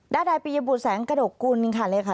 ด้านใดปียบุญแสงกระดกุลค่ะเหล้าค่ะ